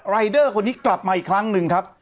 เดอร์คนนี้กลับมาอีกครั้งหนึ่งครับ